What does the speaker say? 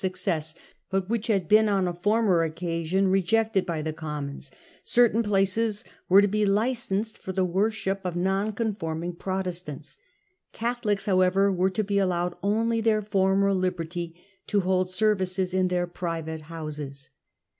1 99 success, but which ha< i been on a former occasion rejected by the Commons, cerlain places were to be licensed for the worship of nonconforming Protestants. Catholics however were to be allowed only their former liberty to hold service in their private houses.